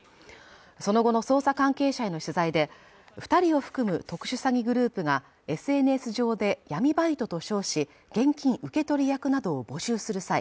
その後の捜査関係者への取材で二人を含む特殊詐欺グループがＳＮＳ上で闇バイトと称し現金受け取り役などを募集する際